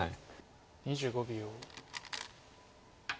２５秒。